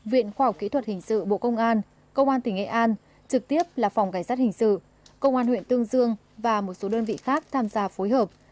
viện khoa học kỹ thuật hình sự bộ công an công an tỉnh nghệ an trực tiếp là phòng cảnh sát hình sự công an huyện tương dương và một số đơn vị khác tham gia phối hợp